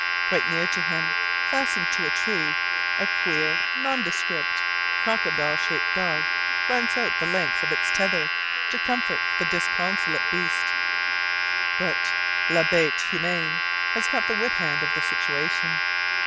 Quite near to him, fastened to a tree, a queer, nondescript, crocodile shaped dog runs out the length of its tether to comfort the disconsolate beast: but la bête humaine has got the whip hand of the situation.